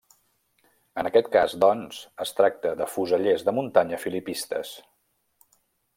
En aquest cas, doncs, es tracta de fusellers de muntanya filipistes.